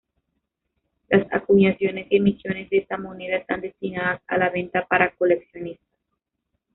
Las acuñaciones y emisiones de esta moneda están destinadas a la venta para coleccionistas.